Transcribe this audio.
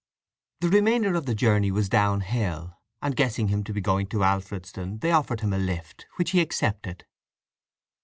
The remainder of the journey was down hill, and guessing him to be going to Alfredston they offered him a lift, which he accepted.